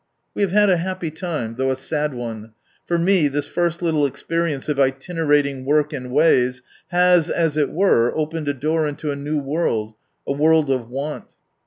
We have had a happy lime, though a sad one. For me, this first liitie enperience of itinerating work and ways, has, as it were, opened a door into a new world, a \Vorld of Want.